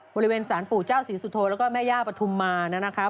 บริเวณสารปู่เจ้าศรีสุโธแล้วก็แม่ย่าปฐุมมานะคะ